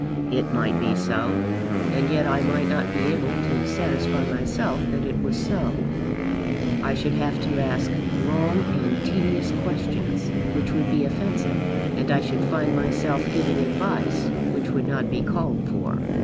"It might be so, and yet I might not be able to satisfy myself that it was so. I should have to ask long and tedious questions, which would be offensive. And I should find myself giving advice, which would not be called for.